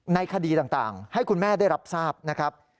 คดีต่างให้คุณแม่ได้รับทราบนะครับ